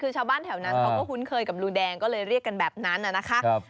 คือชาวบ้านแถวนั้นเขาก็คุ้นเคยกับลุงแดงก็เลยเรียกกันแบบนั้นนะคะ